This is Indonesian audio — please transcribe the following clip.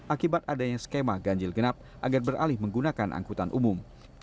akibat adanya skema ganjil genap agar beralih menggunakan angkutan umum